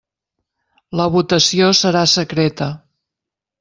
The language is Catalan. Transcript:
La votació serà secreta.